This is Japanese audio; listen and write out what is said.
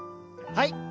はい。